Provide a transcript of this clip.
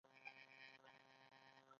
موږ هر څه لرو؟